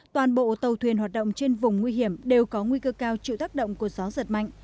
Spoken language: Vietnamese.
toàn bộ tàu thuyền hoạt động trên vùng nguy hiểm đều có nguy cơ cao chịu tác động của gió giật mạnh